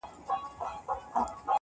سر مي جار له یاره ښه خو ټیټ دي نه وي,